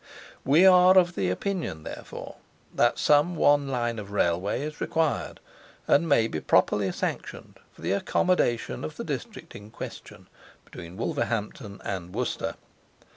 We are of opinion, therefore, that some one line of Railway is required, and may be properly sanctioned, for the accommodation of the district in question, between Wolverhampton and Worcester.